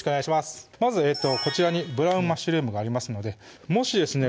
まずこちらにブラウンマッシュルームがありますのでもしですね